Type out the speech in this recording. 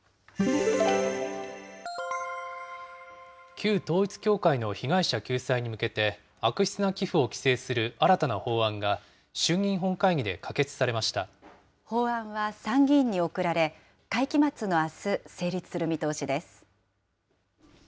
旧統一教会の被害者救済に向けて、悪質な寄付を規制する新たな法案が、衆議院本会議で可決されまし法案は参議院に送られ、会期末のあす、成立する見通しです。